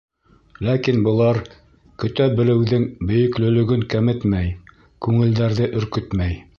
Ләкин былар көтә белеүҙең бөйөклөклөгөн кәметмәй, күңелдәрҙе өркөтмәй.